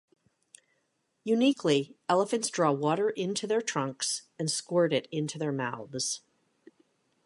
Uniquely, elephants draw water into their trunks and squirt it into their mouths.